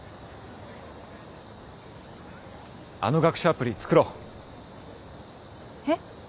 あの学習アプリ作ろうえっ？